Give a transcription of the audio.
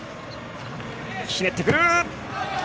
ひねってくる。